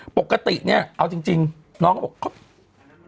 ปกติเนี่ยเอาจริงน้องก็บอกเขา